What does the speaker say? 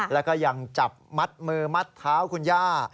แล้วก็ยังจับมัดมือมัดเท้าคุณย่า